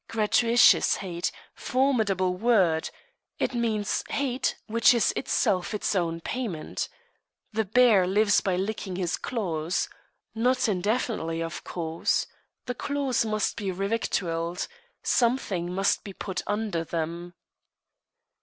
Gratuitous hate formidable word! It means hate which is itself its own payment. The bear lives by licking his claws. Not indefinitely, of course. The claws must be revictualled something must be put under them.